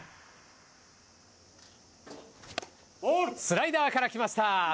スライダーから来ました。